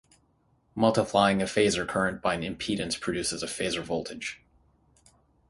Multiplying a phasor current by an impedance produces a phasor voltage.